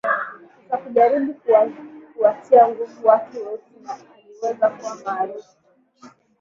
Za kujaribu kuwatia nguvu watu weusi na aliweza kuwa maarufu